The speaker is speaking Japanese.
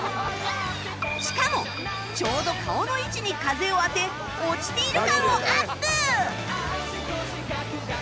しかもちょうど顔の位置に風を当て落ちている感をアップ！